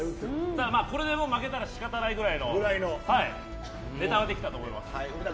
これで負けたら仕方ないぐらいのネタはできたと思います。